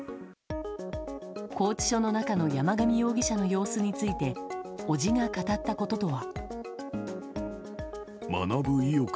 拘置所の中の山上容疑者の様子について伯父が語ったこととは。